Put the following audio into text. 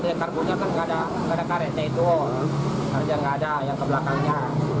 juga dari karbonnya kan gak ada karetnya itu kan gak ada yang kebelakangnya